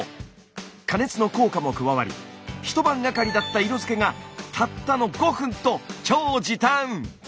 加熱の効果も加わりひと晩がかりだった色づけがたったの５分と超時短！